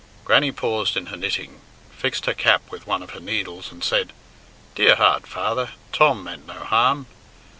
Grannie paused in her knitting, fixed her cap with one of her needles and said, "Dear heart, father! Tom meant no harm."